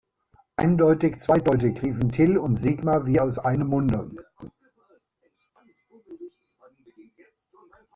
Eindeutig zweideutig, riefen Till und Sigmar wie aus einem Munde.